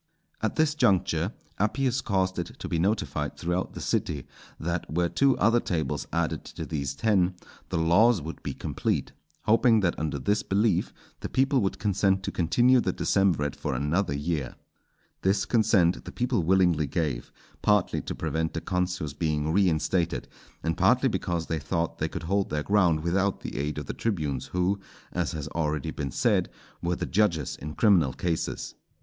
At this juncture Appius caused it to be notified throughout the city that were two other tables added to these ten, the laws would be complete; hoping that under this belief the people would consent to continue the decemvirate for another year. This consent the people willingly gave, partly to prevent the consuls being reinstated, and partly because they thought they could hold their ground without the aid of the tribunes, who, as has already been said, were the judges in criminal cases.